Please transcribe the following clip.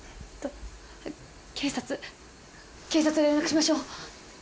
警察警察へ連絡しましょう。